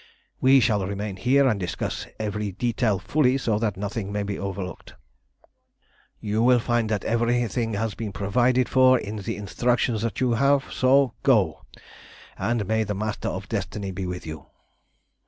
We shall remain here and discuss every detail fully so that nothing may be overlooked. You will find that everything has been provided for in the instructions you have, so go, and may the Master of Destiny be with you!"